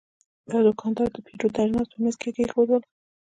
دا دوکاندار د پیرود اجناس په میز کې کېښودل.